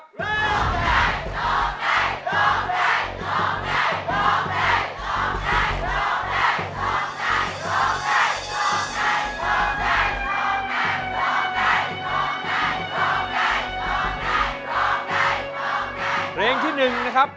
รูปสุดงามสมสังคมเครื่องใครแต่หน้าเสียดายใจทดสกัน